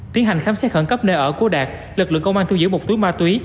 tiến hành khám xét khẩn cấp nơi ở của đạt lực lượng công an thu giữ một túi ma túy